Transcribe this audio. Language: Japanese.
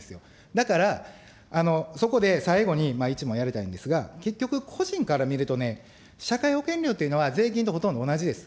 だから、そこで最後に、１問やりたいんですが、結局、個人から見るとね、社会保険料っていうのは、税金とほとんど同じです。